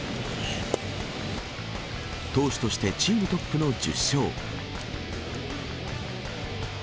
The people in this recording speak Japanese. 投手としてチームトップの１０勝。